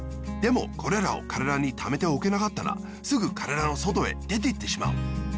でもこれらをからだにためておけなかったらすぐからだのそとへでていってしまう。